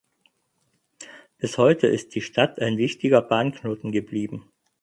Bis heute ist die Stadt ein wichtiger Bahnknoten geblieben.